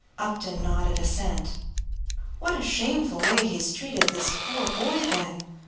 Upton nodded assent. "What a shameful way he has treated this poor boy, then!"